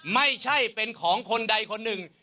ไม่ใช่เป็นของคนใดคนหนึ่ง